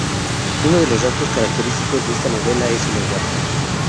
Uno de los rasgos característicos de esta novela es el lenguaje.